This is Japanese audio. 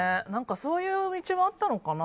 そういう道もあったのかな。